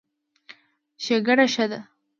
ښېګړه ښه ده.